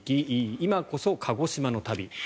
今こそ鹿児島の旅。